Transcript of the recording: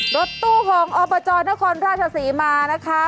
รถตู้ของอปจนครพระอาชาษีมานะคะ